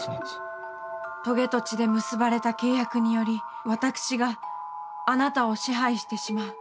棘と血で結ばれた契約により私があなたを支配してしまう。